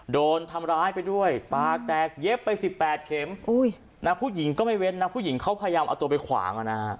โดนทำร้ายไปด้วยปากแตกเย็บไป๑๘เข็มผู้หญิงก็ไม่เว้นนะผู้หญิงเขาพยายามเอาตัวไปขวาง